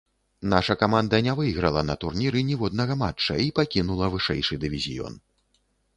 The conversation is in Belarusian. Наша каманда не выйграла на турніры ніводнага матча і пакінула вышэйшы дывізіён.